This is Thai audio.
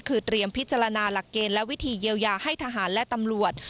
คือเตรียมพิจารณาหลักเกณฑ์และวิธีเยียวยาให้ทหารและตำรวจ